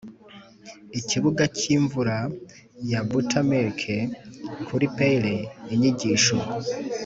ikibuga cyimvura ya buttermilk kuri pail! inyigisho